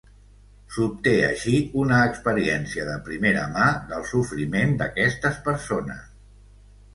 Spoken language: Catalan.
S'obté així una experiència de primera mà del sofriment d'aquestes persones.